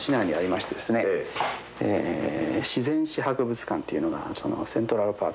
自然史博物館っていうのがセントラルパーク